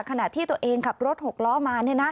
ขณะที่ตัวเองขับรถ๖ล้อมา